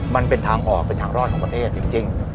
มันเป็นทางออกเป็นทางรอดของประเทศจริง